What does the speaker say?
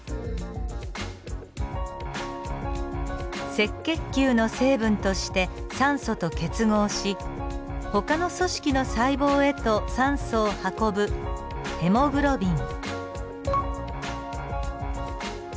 赤血球の成分として酸素と結合しほかの組織の細胞へと酸素を運ぶヘモグロビン。